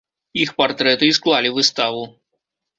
Іх партрэты і склалі выставу.